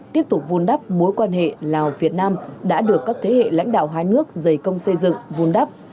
tiếp tục vun đắp mối quan hệ lào việt nam đã được các thế hệ lãnh đạo hai nước dày công xây dựng vun đắp